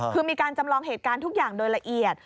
คือมีการจำลองเหตุการณ์ทุกอย่างโดยละเอียด